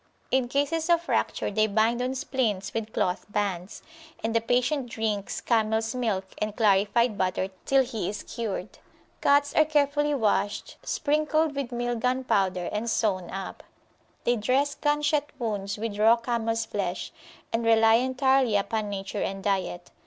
In cases of fracture they bind on splints with cloth bands, and the patient drinks camels milk and clarified butter till he is cured. Cuts are carefully washed, sprinkled with meal gunpowder, and sewn up. They dress gunshot wounds with raw camels flesh, and rely entirely upon nature and diet.